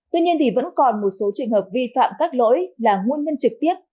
tuy nhiên vẫn còn một số trường hợp vi phạm các lỗi là nguồn nhân trực tiếp